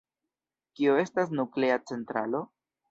Kio estas nuklea centralo?